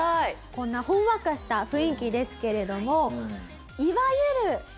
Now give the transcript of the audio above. こんなほんわかした雰囲気ですけれどもいわゆる。